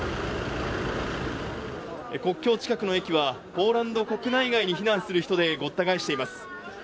国境近くの駅はポーランド国内外に避難する人でごった返しています。